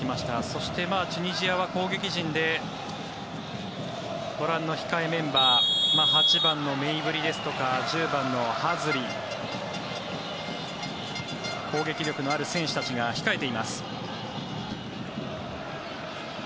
そして、チュニジアは攻撃陣でご覧の控えメンバー８番のメイブリですとか１０番のハズリ攻撃力のある選手たちが控えています。